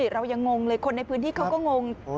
เรายังงงเลยคนในพื้นที่เขาก็งง